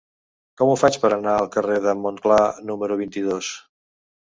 Com ho faig per anar al carrer de Montclar número vint-i-dos?